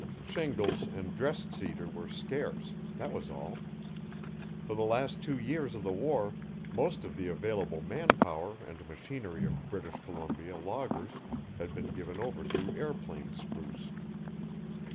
Shingles and dressed cedar were scarce, that was all. For the last two years of the war most of the available man power and machinery of British Columbia loggers had been given over to airplane spruce.